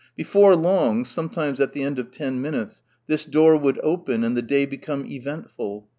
Before long, sometimes at the end of ten minutes, this door would open and the day become eventful.